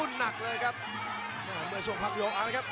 แชลเบียนชาวเล็ก